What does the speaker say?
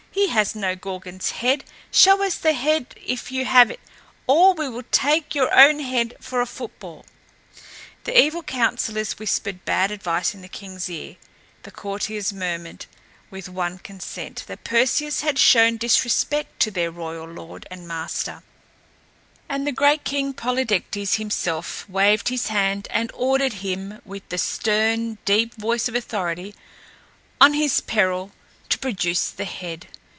He has no Gorgon's head! Show us the head if you have it, or we will take your own head for a football!" The evil counselors whispered bad advice in the king's ear; the courtiers murmured, with one consent, that Perseus had shown disrespect to their royal lord and master; and the great King Polydectes himself waved his hand and ordered him, with the stern, deep voice of authority, on his peril, to produce the head.